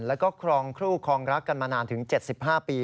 และก็ครองคู่ครองรักกันมานานถึงเจ็ดสิบห้าปี